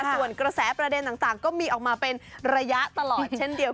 ส่วนกระแสประเด็นต่างก็มีออกมาเป็นระยะตลอดเช่นเดียว